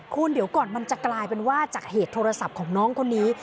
คุณเดี๋ยวก่อนมันจะกลายเป็นว่าจากเหตุโทรศัพท์ของน้องคนนี้